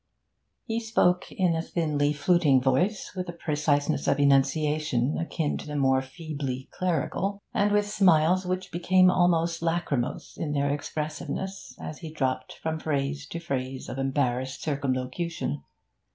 He spoke in a thinly fluting voice, with a preciseness of enunciation akin to the more feebly clerical, and with smiles which became almost lachrymose in their expressiveness as he dropped from phrase to phrase of embarrassed circumlocution.